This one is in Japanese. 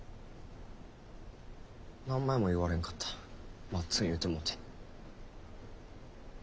名前も言われんかったまっつん言うてもうて。